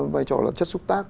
vai trò là chất xúc tác